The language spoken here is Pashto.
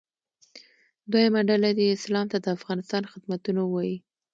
دویمه ډله دې اسلام ته د افغانستان خدمتونه ووایي.